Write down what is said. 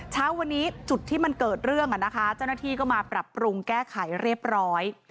เช้าวันนี้จุดที่มันเกิดเรื่องเจ้าหน้าที่ก็มาปรับปรุงแก้ไขเรียบร้อย